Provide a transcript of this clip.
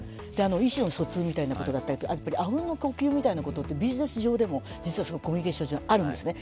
意思の疎通みたいなことだったり、あうんの呼吸みたいなことはビジネス上でも実はコミュニケーション上あるんですね。